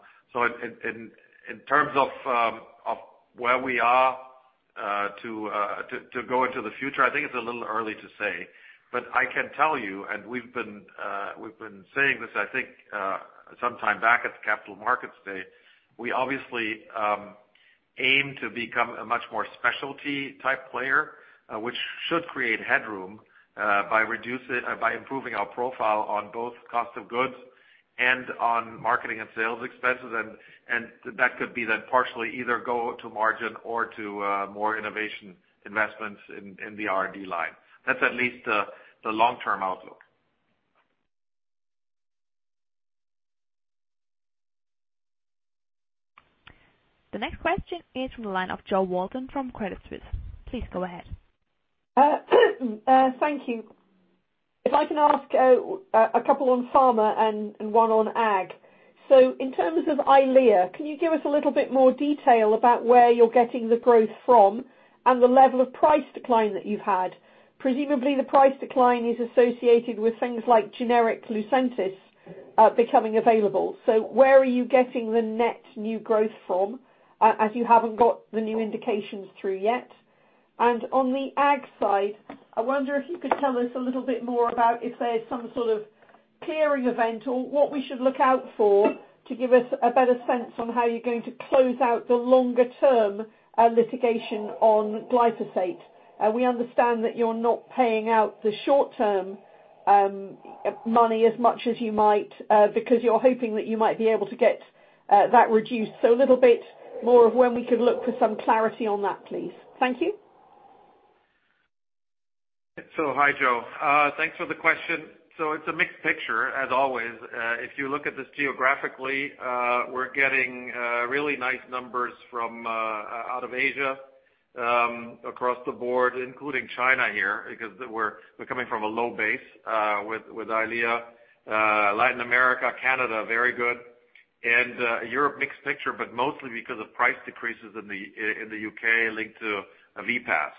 terms of where we are to go into the future, I think it's a little early to say, but I can tell you, and we've been saying this, I think, some time back at the Capital Markets Day, we obviously aim to become a much more specialty type player, which should create headroom by improving our profile on both cost of goods and on marketing and sales expenses, and that could be then partially either go to margin or to more innovation investments in the R&D line. That's at least the long-term outlook.
The next question is from the line of Jo Walton from Credit Suisse. Please go ahead.
Thank you. If I can ask a couple on pharma and one on ag. In terms of Eylea, can you give us a little bit more detail about where you're getting the growth from and the level of price decline that you've had? Presumably, the price decline is associated with things like generic Lucentis becoming available. Where are you getting the net new growth from as you haven't got the new indications through yet? On the ag side, I wonder if you could tell us a little bit more about if there's some sort of clearing event or what we should look out for to give us a better sense on how you're going to close out the longer term litigation on glyphosate. We understand that you're not paying out the short term money as much as you might because you're hoping that you might be able to get that reduced. A little bit more of when we could look for some clarity on that, please. Thank you.
Hi, Jo. Thanks for the question. It's a mixed picture as always. If you look at this geographically, we're getting really nice numbers from out of Asia, across the board, including China here, because we're coming from a low base with Eylea. Latin America, Canada, very good. Europe, mixed picture, but mostly because of price decreases in the U.K. linked to VPAS.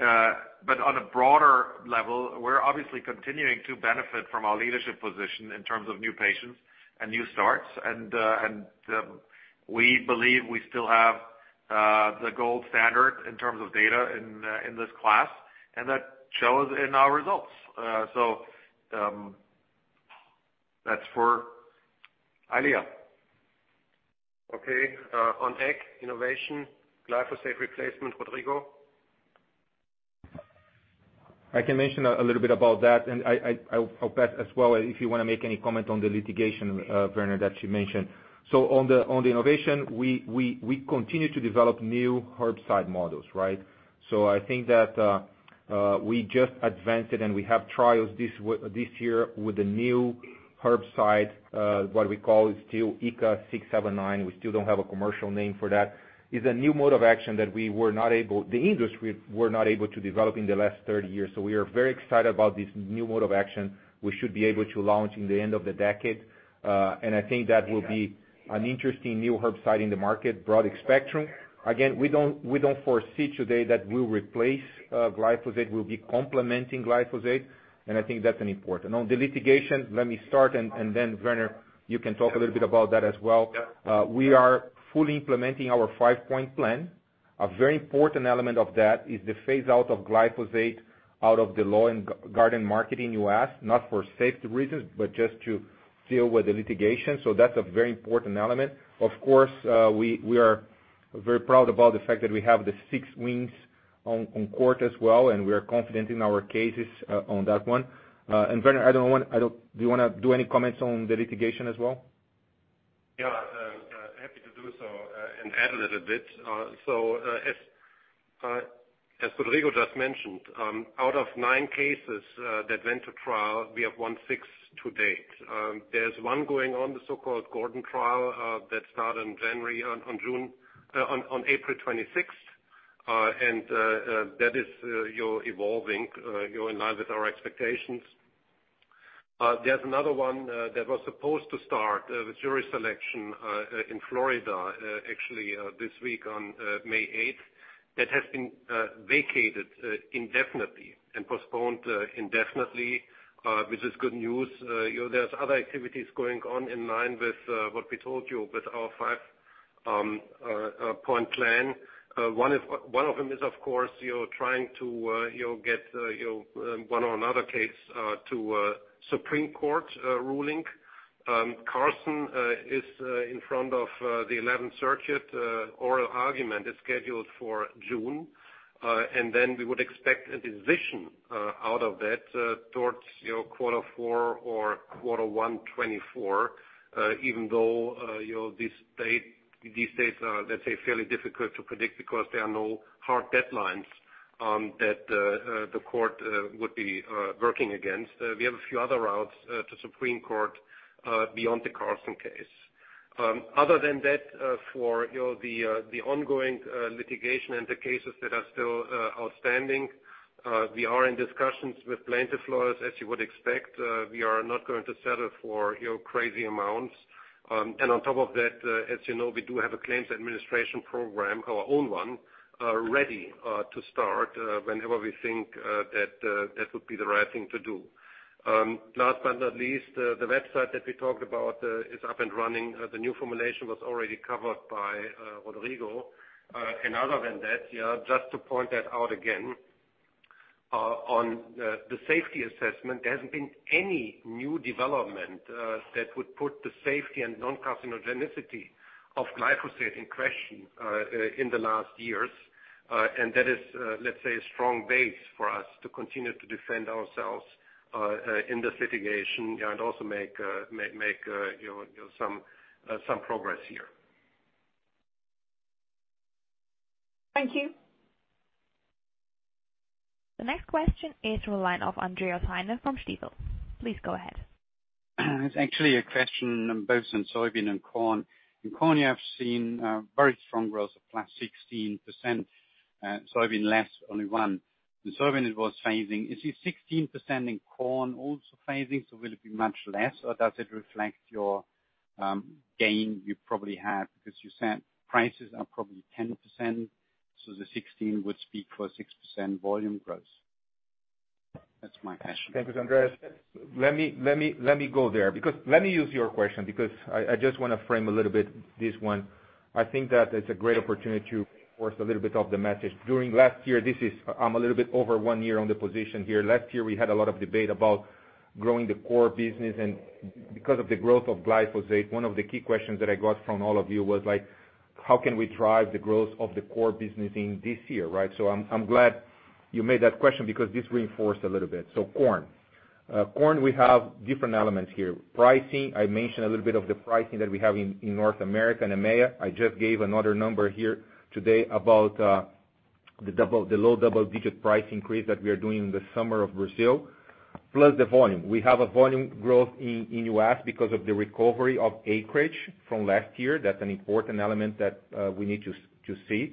But on a broader level, we're obviously continuing to benefit from our leadership position in terms of new patients and new starts. And we believe we still have the gold standard in terms of data in this class and that shows in our results. That's for Eylea. Okay, on ag, innovation, glyphosate replacement, Rodrigo.
I can mention a little bit about that. I'll pass as well if you wanna make any comment on the litigation, Werner, that she mentioned. On the innovation, we continue to develop new herbicide models, right? I think that. We just advanced it and we have trials this year with the new herbicide, what we call still ICA 679. We still don't have a commercial name for that. It's a new mode of action that the industry were not able to develop in the last 30 years. We are very excited about this new mode of action. We should be able to launch in the end of the decade. I think that will be an interesting new herbicide in the market, broad spectrum. Again, we don't foresee today that we'll replace glyphosate. We'll be complementing glyphosate, and I think that's an important. On the litigation, let me start and then Werner, you can talk a little bit about that as well. We are fully implementing our five-point plan. A very important element of that is the phase out of glyphosate out of the lawn and garden market in U.S., not for safety reasons, but just to deal with the litigation. That's a very important element. Of course, we are very proud about the fact that we have the six wins on court as well, and we are confident in our cases on that one. Werner, do you wanna do any comments on the litigation as well?
Happy to do so and add a little bit. As Rodrigo just mentioned, out of nine cases that went to trial, we have won six to date. There's one going on, the so-called Gordon trial, that start in January, on June, on April 26th. That is, you know, evolving, you know, in line with our expectations. There's another one that was supposed to start the jury selection in Florida, actually this week on May 8th, that has been vacated indefinitely and postponed indefinitely, which is good news. You know, there's other activities going on in line with what we told you with our five-point plan. One of them is, of course, you know, trying to, you know, get, you know, one or another case to Supreme Court ruling. Carson is in front of the 11th Circuit, oral argument is scheduled for June. Then we would expect a decision out of that towards, you know, quarter four or quarter one 2024. Even though, you know, these dates are, let's say, fairly difficult to predict because there are no hard deadlines that the court would be working against. We have a few other routes to Supreme Court beyond the Carson case. Other than that, for, you know, the ongoing, litigation and the cases that are still, outstanding, we are in discussions with plaintiff lawyers, as you would expect. We are not going to settle for, you know, crazy amounts. On top of that, as you know, we do have a claims administration program, our own one, ready, to start, whenever we think, that would be the right thing to do. Last but not least, the website that we talked about, is up and running. The new formulation was already covered by Rodrigo. Other than that, yeah, just to point that out again, on the safety assessment, there hasn't been any new development that would put the safety and non-carcinogenicity of glyphosate in question in the last years. That is, let's say a strong base for us to continue to defend ourselves in this litigation and also make, you know, some progress here.
Thank you. The next question is from the line of Andreas Heine from Stifel. Please go ahead.
It's actually a question both on soybean and corn. In corn, you have seen very strong growth of +16%, soybean less only 1%. The soybean was phasing. Is it 16% in corn also phasing, so will it be much less, or does it reflect your gain you probably have? Because you said prices are probably 10%, so the 16% would speak for 6% volume growth. That's my question.
Thank you, Andreas. Let me go there because let me use your question because I just wanna frame a little bit this one. I think that it's a great opportunity to reinforce a little bit of the message. During last year, this is I'm a little bit over one year on the position here. Last year, we had a lot of debate about growing the core business. Because of the growth of glyphosate, one of the key questions that I got from all of you was, like, how can we drive the growth of the core business in this year, right? I'm glad you made that question because this reinforced a little bit. Corn. Corn, we have different elements here. Pricing, I mentioned a little bit of the pricing that we have in North America and EMEA. I just gave another number here today about the low double-digit price increase that we are doing in the summer of Brazil, plus the volume. We have a volume growth in U.S. because of the recovery of acreage from last year. That's an important element that we need to see.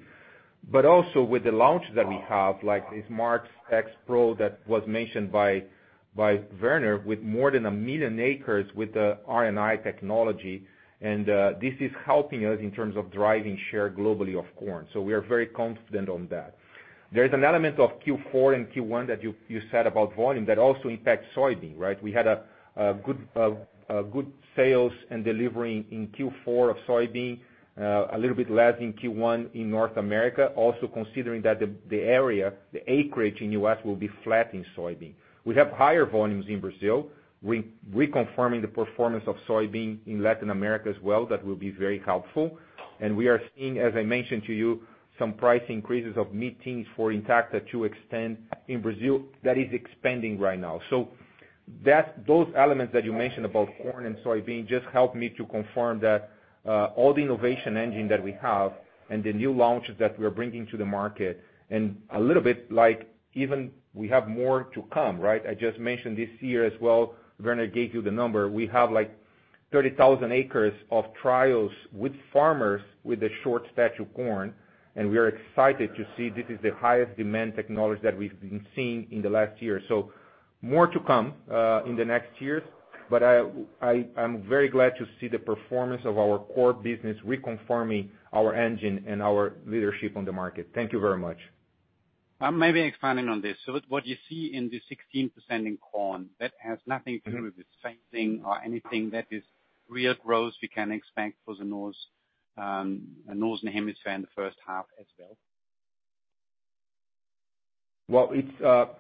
Also with the launch that we have, like this Fox Xpro that was mentioned by Werner, with more than 1 million acres with the RNAi technology, this is helping us in terms of driving share globally of corn. We are very confident on that. There's an element of Q4 and Q1 that you said about volume that also impacts soybean, right? We had a good sales and delivering in Q4 of soybean, a little bit less in Q1 in North America. Also considering that the area, the acreage in U.S. will be flat in soybean. We have higher volumes in Brazil, reconfirming the performance of soybean in Latin America as well. That will be very helpful. And we are seeing, as I mentioned to you, some price increases of mid-teens for Intacta 2 Xtend in Brazil that is expanding right now. That's those elements that you mentioned about corn and soybean just helped me to confirm that all the innovation engine that we have and the new launches that we're bringing to the market and a little bit like, even we have more to come, right? I just mentioned this year as well. Werner gave you the number. We have like 30,000 acres of trials with farmers with a short stature corn. We are excited to see this is the highest demand technology that we've been seeing in the last year. More to come in the next years. I'm very glad to see the performance of our core business reconfirming our engine and our leadership on the market. Thank you very much.
Maybe expanding on this. What you see in the 16% in corn, that has nothing to do with the same thing or anything that is real growth we can expect for the north hemisphere in the first half as well.
Well, it's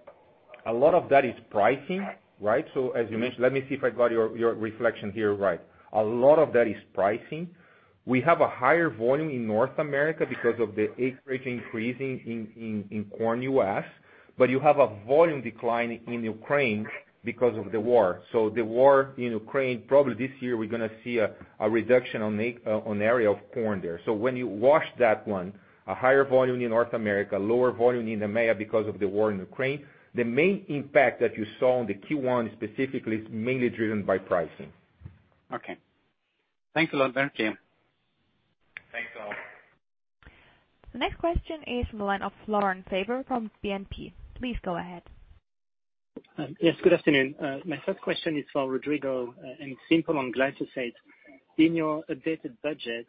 a lot of that is pricing, right? As you mentioned, let me see if I got your reflection here right. A lot of that is pricing. We have a higher volume in North America because of the acreage increasing in corn U.S., but you have a volume decline in Ukraine because of the war. The war in Ukraine, probably this year we're gonna see a reduction on the area of corn there. When you wash that one, a higher volume in North America, lower volume in EMEA because of the war in Ukraine, the main impact that you saw on the Q1 specifically is mainly driven by pricing.
Okay. Thanks a lot, Rodrigo.
Thanks, Andreas.
The next question is from the line of Laurent Favre from BNP. Please go ahead.
Yes, good afternoon. My first question is for Rodrigo, and it's simple on glyphosate. In your updated budget,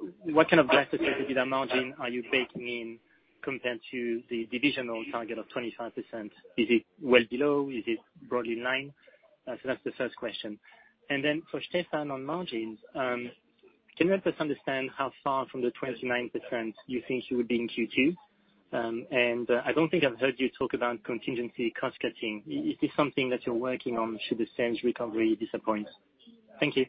what kind of glyphosate EBITDA margin are you baking in compared to the divisional target of 25%? Is it well below? Is it broadly in line? That's the first question. Then for Stefan on margins, can you help us understand how far from the 29% you think you would be in Q2? I don't think I've heard you talk about contingency cost-cutting. Is this something that you're working on should the sales recovery disappoint? Thank you.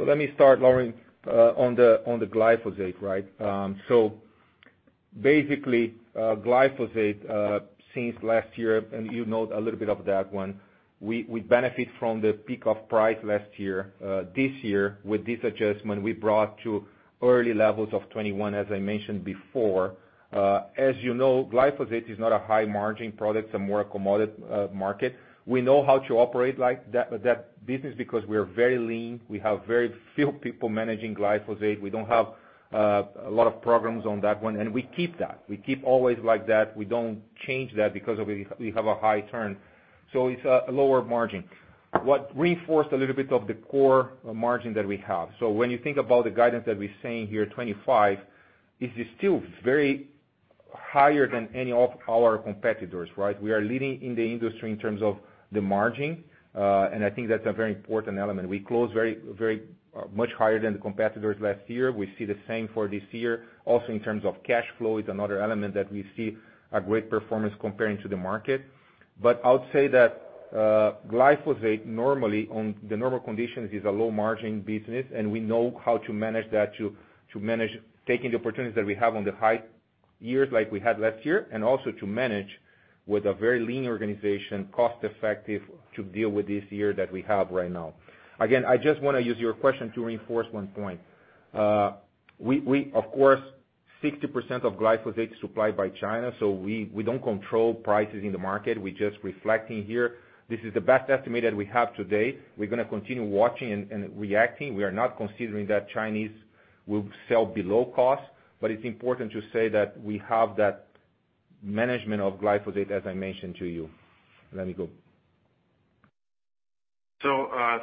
Let me start, Laurent, on the glyphosate, right? Basically, glyphosate, since last year, and you know a little bit of that one, we benefit from the peak of price last year. This year, with this adjustment, we brought to early levels of 21, as I mentioned before. As you know, glyphosate is not a high margin product, it's a more commodity market. We know how to operate like that business because we are very lean. We have very few people managing glyphosate. We don't have a lot of programs on that one, and we keep that. We keep always like that. We don't change that because of we have a high turn. It's a lower margin. What reinforced a little bit of the core margin that we have. When you think about the guidance that we're saying here, 25%, it is still very higher than any of our competitors, right? We are leading in the industry in terms of the margin, and I think that's a very important element. We closed very, very much higher than the competitors last year. We see the same for this year. Also in terms of cash flow is another element that we see a great performance comparing to the market. I would say that glyphosate normally on the normal conditions is a low margin business, and we know how to manage that to manage taking the opportunities that we have on the high years like we had last year, and also to manage with a very lean organization, cost effective to deal with this year that we have right now. I just wanna use your question to reinforce one point. We of course, 60% of glyphosate is supplied by China. We don't control prices in the market. We're just reflecting here. This is the best estimate that we have today. We're gonna continue watching and reacting. We are not considering that Chinese will sell below cost. It's important to say that we have that management of glyphosate, as I mentioned to you. Let me go.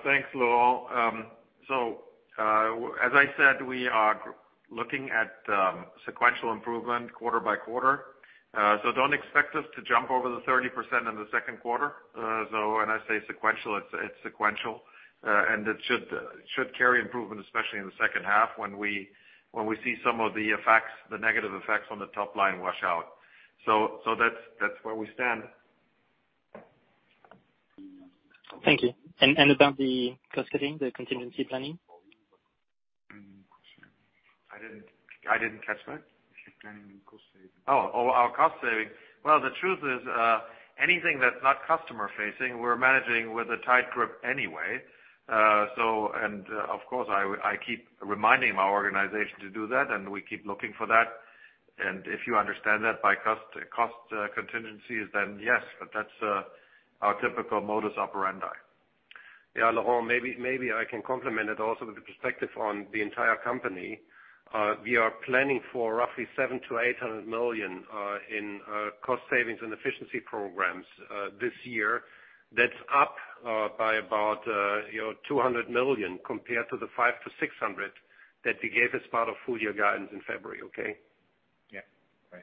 Thanks, Laurent. As I said, we are looking at sequential improvement quarter by quarter. Don't expect us to jump over the 30% in the second quarter. When I say sequential, it's sequential, and it should carry improvement, especially in the second half when we see some of the effects, the negative effects on the top line wash out. That's where we stand.
Thank you. About the cost-cutting, the contingency planning?
I didn't catch that.
Planning cost saving.
Our cost saving. Well, the truth is, anything that's not customer facing, we're managing with a tight grip anyway. So, and, of course, I keep reminding my organization to do that, and we keep looking for that. If you understand that by cost contingencies, then yes, but that's our typical modus operandi. Yeah, Laurent, maybe I can complement it also with the perspective on the entire company. We are planning for roughly 700 million-800 million in cost savings and efficiency programs this year. That's up by about, you know, 200 million compared to the 500 million-600 million that we gave as part of full year guidance in February. Okay?
Yeah. Right.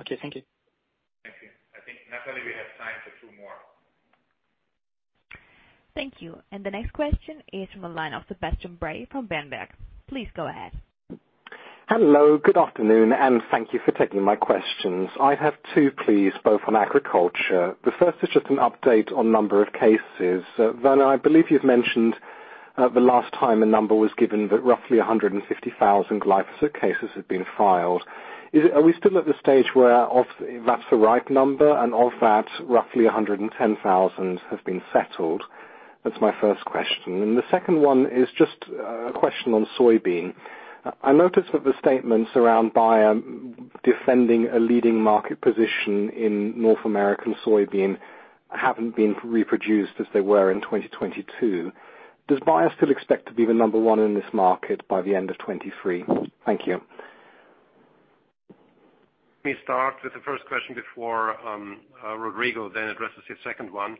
Okay. Thank you.
Thank you. I think, Natalie, we have time for two more.
Thank you. The next question is from a line of Sebastian Bray from Berenberg. Please go ahead.
Hello, good afternoon. Thank you for taking my questions. I have two, please, both on agriculture. The first is just an update on number of cases. Werner, I believe you've mentioned the last time a number was given that roughly 150,000 glyphosate cases have been filed. Are we still at the stage where that's the right number and of that, roughly 110,000 have been settled? That's my first question. The second one is just a question on soybean. I noticed that the statements around Bayer defending a leading market position in North American soybean haven't been reproduced as they were in 2022. Does Bayer still expect to be the number one in this market by the end of 2023? Thank you.
Let me start with the first question before Rodrigo then addresses your second one.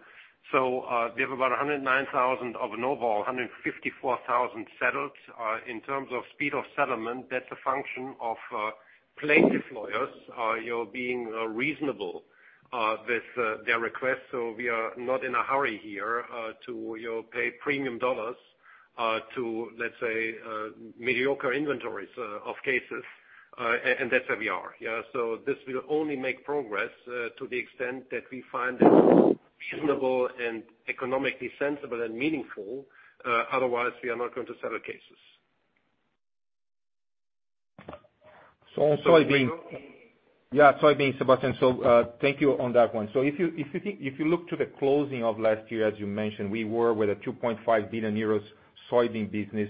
We have about 109,000 of an overall 154,000 settled. In terms of speed of settlement, that's a function of plaintiff lawyers, you know, being reasonable with their requests. We are not in a hurry here to, you know, pay premium dollars to, let's say, mediocre inventories of cases. That's where we are. Yeah. This will only make progress to the extent that we find it reasonable and economically sensible and meaningful. Otherwise, we are not going to settle cases.
So on soybean-
Rodrigo.
Yeah, soybean, Sebastian. Thank you on that one. If you look to the closing of last year, as you mentioned, we were with a 2.5 billion euros soybean business,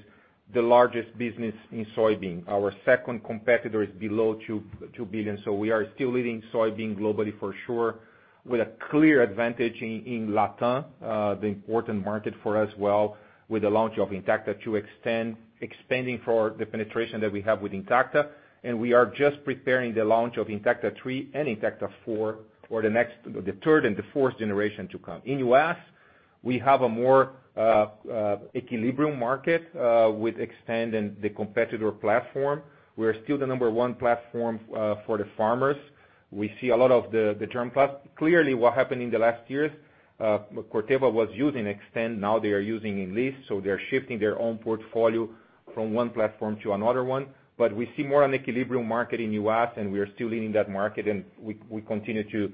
the largest business in soybean. Our second competitor is below 2 billion. We are still leading soybean globally for sure, with a clear advantage in Latam, the important market for us, well, with the launch of Intacta 2 Xtend expanding for the penetration that we have with Intacta. We are just preparing the launch of Intacta 3 and Intacta 4 for the next, the third and the fourth generation to come. In U.S., we have a more equilibrium market with expanding the competitor platform. We are still the number one platform for the farmers. We see a lot of the term. Clearly, what happened in the last years, Corteva was using Xtend, now they are using Enlist, so they're shifting their own portfolio from one platform to another one. We see more an equilibrium market in U.S., and we are still leading that market, and we continue to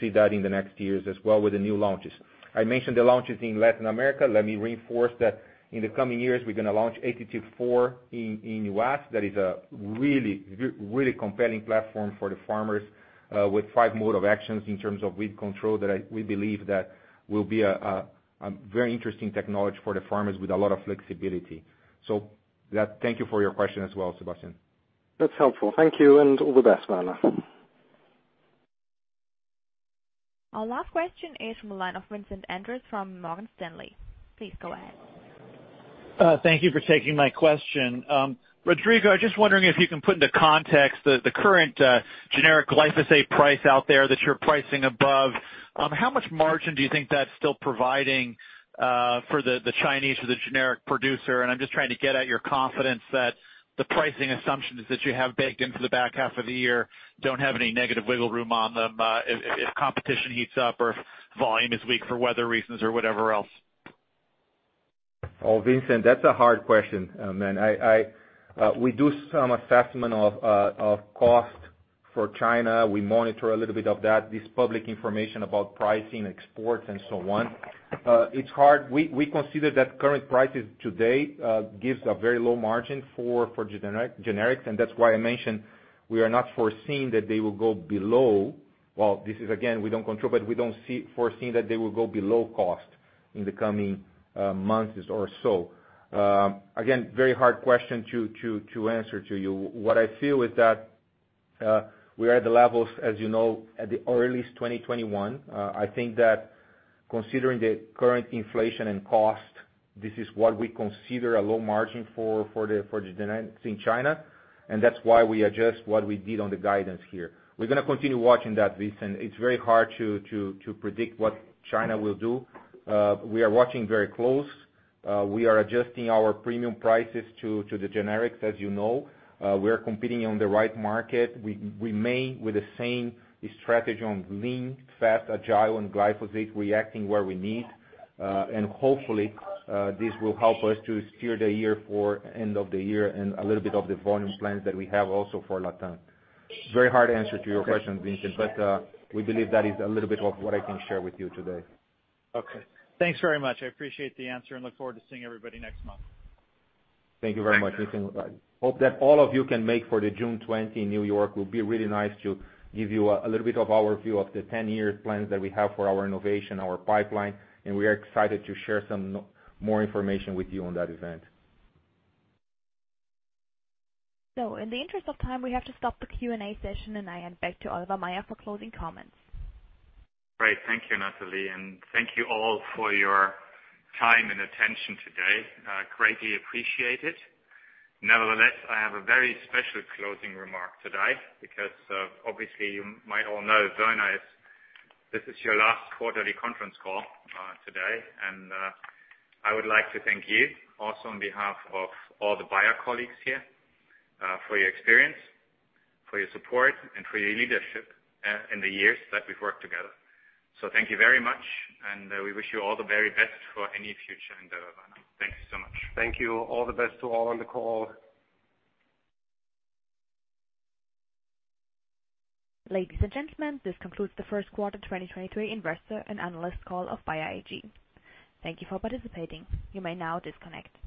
see that in the next years as well with the new launches. I mentioned the launches in Latin America. Let me reinforce that in the coming years, we're gonna launch ATT 4 in U.S. That is a really compelling platform for the farmers, with five mode of actions in terms of weed control that we believe that will be a very interesting technology for the farmers with a lot of flexibility. Thank you for your question as well, Sebastian.
That's helpful. Thank you, and all the best, Werner.
Our last question is from the line of Vincent Andrews from Morgan Stanley. Please go ahead.
Thank you for taking my question. Rodrigo, I was just wondering if you can put into context the current generic glyphosate price out there that you're pricing above? How much margin do you think that's still providing for the Chinese or the generic producer? I'm just trying to get at your confidence that the pricing assumptions that you have baked into the back half of the year don't have any negative wiggle room on them if competition heats up or volume is weak for weather reasons or whatever else.
Vincent, that's a hard question. We do some assessment of cost for China. We monitor a little bit of that, this public information about pricing, exports, and so on. It's hard. We consider that current prices today gives a very low margin for gene-generics, that's why I mentioned we are not foreseeing that they will go below. Well, this is again, we don't control, we don't see foreseeing that they will go below cost in the coming months or so. Again, very hard question to answer to you. What I feel is that we are at the levels, as you know, at the earliest, 2021. I think that considering the current inflation and cost, this is what we consider a low margin for the generics in China. That's why we adjust what we did on the guidance here. We're gonna continue watching that, Vincent. It's very hard to predict what China will do. We are watching very close. We are adjusting our premium prices to the generics, as you know. We are competing on the right market. We remain with the same strategy on lean, fast, agile, and glyphosate, reacting where we need. Hopefully, this will help us to steer the year for end of the year and a little bit of the volume plans that we have also for Latam. Very hard answer to your question, Vincent, but, we believe that is a little bit of what I can share with you today.
Okay. Thanks very much. I appreciate the answer and look forward to seeing everybody next month.
Thank you very much, Vincent. Hope that all of you can make for the June 20 in New York. Will be really nice to give you a little bit of our view of the 10-year plans that we have for our innovation, our pipeline. We are excited to share some more information with you on that event.
In the interest of time, we have to stop the Q&A session, and I hand back to Oliver Maier for closing comments.
Great. Thank you, Natalie, and thank you all for your time and attention today. Greatly appreciate it. Nevertheless, I have a very special closing remark today because, obviously, you might all know, Werner, this is your last quarterly conference call today. I would like to thank you also on behalf of all the Bayer colleagues here, for your experience, for your support, and for your leadership, in the years that we've worked together. Thank you very much, and we wish you all the very best for any future endeavor. Thank you so much.
Thank you. All the best to all on the call.
Ladies and gentlemen, this concludes the first quarter 2023 investor and analyst call of Bayer AG. Thank you for participating. You may now disconnect.